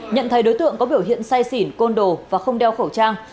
nhận thấy đối tượng có biểu hiện say xỉn côn đồ và không đeo khẩu trang